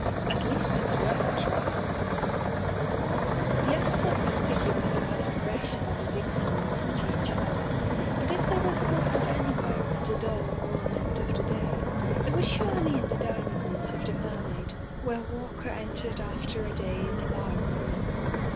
"At least it's worth a trial/' The asphalt was sticky with the perspira tion of a big sullen city in July, but if there was comfort anywhere at the dull, warm end of the day, it was surely in the dining rooms of the Mermaid, where Walker entered after a day in a library.